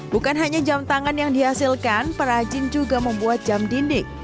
bukan hanya jam tangan yang dihasilkan perajin juga membuat jam dinding